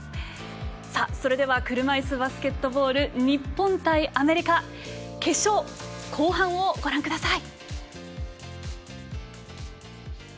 それでは車いすバスケットボール日本対アメリカ決勝、後半をご覧ください。